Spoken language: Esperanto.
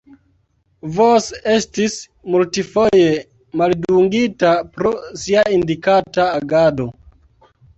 Vos estis multfoje maldungita pro sia sindikata agado.